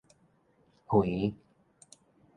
園